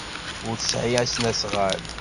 Ur tesɛi asnasɣal.